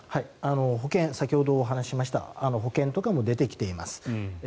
保険先ほどお話ししましが保険とかも出てきています。